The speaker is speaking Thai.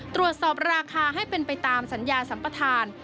ตรวจสอบราคาให้เป็นไปตามสัญญาสัมปทาน